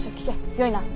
よいな？